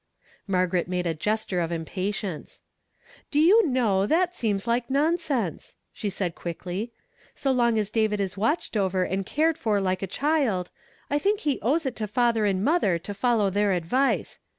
Margaret made a gesture of impatience. "Do you know that seems like nonsense," she said quickly. " So long as David is watched over and cared for like a child, I think he owes it to father and mother to follow their advice.